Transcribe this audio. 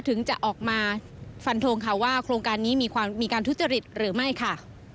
ถึงจะออกมาฟันทงค่ะว่าโครงการนี้มีการทุจริตหรือไม่ค่ะ